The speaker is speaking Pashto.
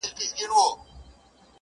د غزل د زلفو تار کي يې ويده کړم _